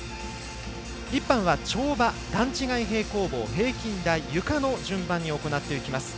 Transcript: １班は跳馬段違い平行棒、平均台ゆかの順番で行っていきます。